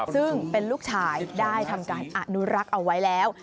ซึ่งเป็นลูกชายได้ทำการอนุรักษ์เอาไว้แล้ว